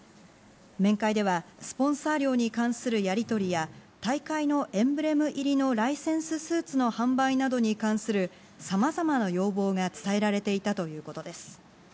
面会では、スポンサー料に関するやりとりや、大会のエンブレム入りのライセンススーツの販売などに関するさまざまな要望が伝えられていたということです。